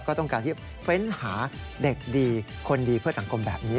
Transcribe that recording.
ก็ต้องการที่เฟ้นหาเด็กดีคนดีเพื่อสังคมแบบนี้